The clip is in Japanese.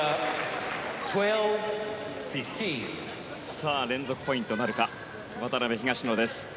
さあ、連続ポイントなるか渡辺、東野です。